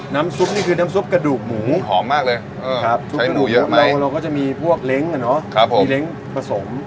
ซุปนี่คือน้ำซุปกระดูกหมูหอมมากเลยใช้หมูเยอะมากเราก็จะมีพวกเล้งมีเล้งผสม